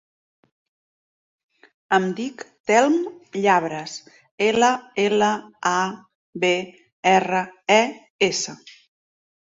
Em dic Telm Llabres: ela, ela, a, be, erra, e, essa.